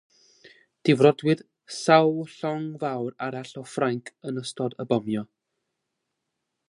Difrodwyd sawl llong fawr arall o Ffrainc yn ystod y bomio.